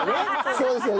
そうですよね？